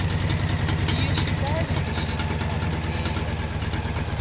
Yishi kali thushithu amumeya.